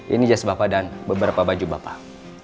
ini jas bapak dan beberapa baju bapak